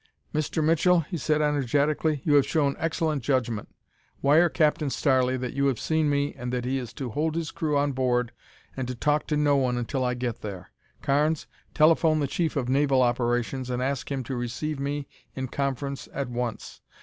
"Mr. Mitchell," he said energetically, "you have shown excellent judgment. Wire Captain Starley that you have seen me and that he is to hold his crew on board and to talk to no one until I get there. Carnes, telephone the Chief of Naval Operations and ask him to receive me in conference at once.